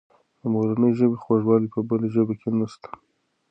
د مورنۍ ژبې خوږوالی په بله ژبه کې نسته.